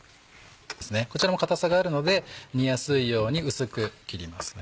こちらも硬さがあるので煮やすいように薄く切ります。